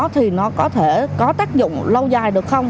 thì nó có thể có tác dụng lâu dài được không